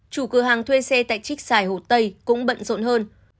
chủ cửa hàng thuê xe tại trích xài hồ tây cũng bận rộn hơn